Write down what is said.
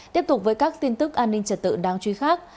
tiếp tục với các tin tức an ninh trật tự đáng chú ý khác